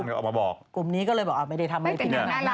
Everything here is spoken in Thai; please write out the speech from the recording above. แล้วก็ทำกลุ่มนี้ก็เลยบอกไม่ได้ทำอะไร